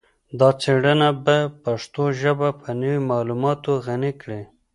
دا څیړنه به پښتو ژبه په نوي معلوماتو غني کړي